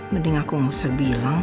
mending aku nggak usah bilang